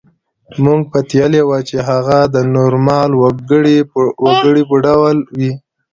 موږ پتېیلې وه چې هغه د نورمال وګړي په ډول وي